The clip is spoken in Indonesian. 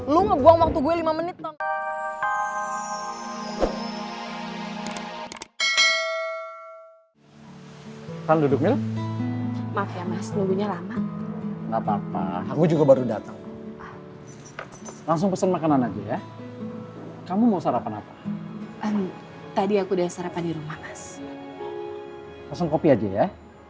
langsung kopi aja ya